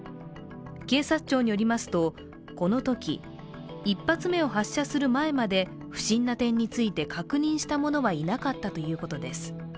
警察庁によりますとこのとき、１発目を発射する前まで不審な点について確認した者はいなかったということです。